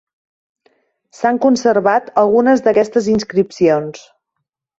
S'han conservat algunes d'aquestes inscripcions.